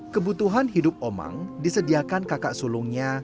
kebutuhan hidup omang disediakan kakak sulungnya